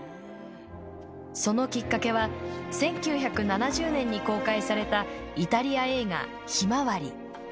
そのきっかけは１９７０年に公開されたイタリア映画「ひまわり」。